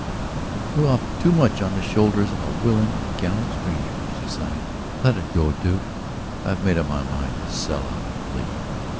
"I threw off too much on the shoulders of a willing and gallant stranger," she sighed. "Let it go, Duke; I've made up my mind to sell out and leave."